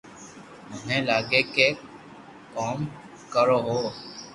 مني لاگي ڪي ڪوم ڪرو ھون